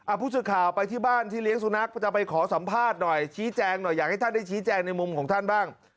ผู้สื่อข่าวไปที่บ้านที่เลี้ยงสุนัขจะไปขอสัมภาษณ์หน่อยชี้แจงหน่อยอยากให้ท่านได้ชี้แจงในมุมของท่านบ้าง